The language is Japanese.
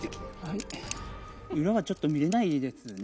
裏はちょっと見れないですね。